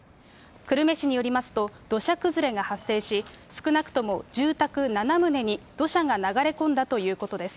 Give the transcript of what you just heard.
久留米市によりますと、土砂崩れが発生し、少なくとも住宅７棟に土砂が流れ込んだということです。